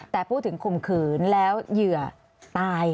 แต่พูดถึงข่มขืนแล้วเหยื่อตาย